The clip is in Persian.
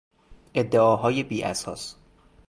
ادعاهای بیاساس